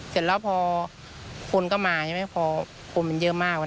เสร็จแล้วพอคนก็มาใช่ไหมพอคนมันเยอะมาก